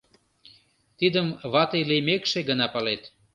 — Тидым вате лиймекше гына палет.